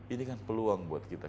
ini kan peluang buat kita